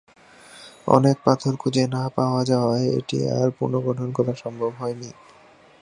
অনেক পাথর খুজে না পাওয়া যাওয়ায় এটি আর পুনর্গঠন করা সম্ভব হয়নি।